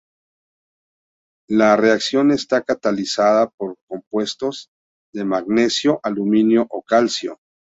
La reacción está catalizada por compuestos de magnesio, aluminio o calcio.